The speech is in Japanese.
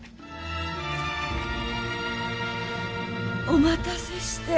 お待たせして。